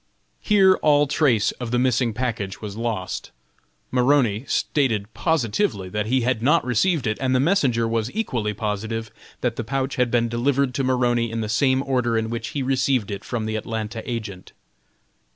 Here all trace of the missing package was lost. Maroney stated positively that he had not received it, and the messenger was equally positive that the pouch had been delivered to Maroney in the same order in which he received it from the Atlanta agent.